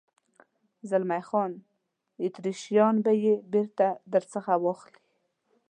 زلمی خان: اتریشیان به یې بېرته در څخه واخلي.